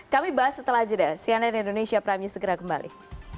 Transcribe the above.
kami bahas setelah jeda cnn indonesia prime news segera kembali